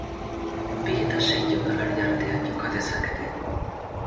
Bi eta sei jokalari artean joka dezakete.